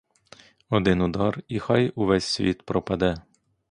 Один удар, і хай увесь світ пропаде!